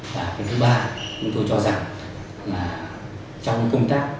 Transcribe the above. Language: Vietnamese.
và cái thứ ba chúng tôi cho rằng là trong công tác